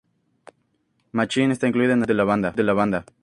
Machine" está incluida en el álbum debut de la banda.